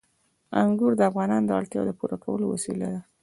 انګور د افغانانو د اړتیاوو د پوره کولو وسیله ده.